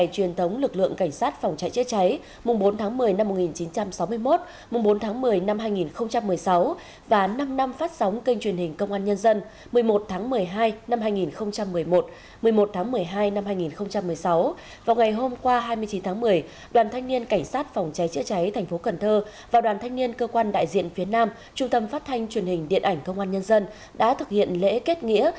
trung tâm phát thanh truyền hình điện ảnh công an nhân dân đã thực hiện lễ kết nghĩa